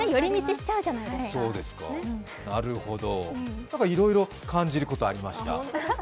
そうですか、なるほどいろいろ感じることありました。